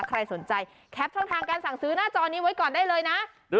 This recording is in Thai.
ใครสนใจแคปช่องทางการสั่งซื้อหน้าจอนี้ไว้ก่อนได้เลยนะ